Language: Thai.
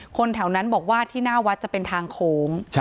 คนแถวนั้นบอกว่าที่หน้าวัดจะเป็นทางโค้ง